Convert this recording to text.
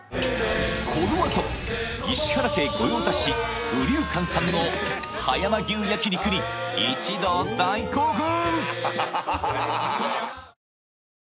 石原家御用達友琉館さんの葉山牛焼肉に一同大興奮！